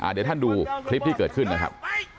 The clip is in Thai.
เดี๋ยวท่านดูคลิปที่เกิดขึ้นนะครับ